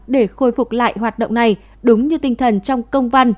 để khôi phục lại hoạt động này đúng như tinh thần trong công văn